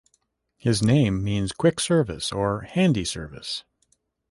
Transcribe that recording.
His name means "quick service" or "handy service.